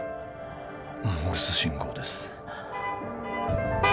モールス信号です